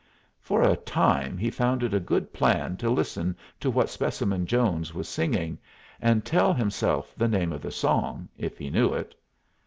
For a time he found it a good plan to listen to what Specimen Jones was singing, and tell himself the name of the song, if he knew it.